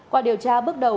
qua điều tra bước đầu